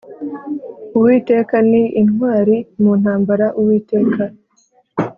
Uwiteka ni intwari mu ntambara Uwiteka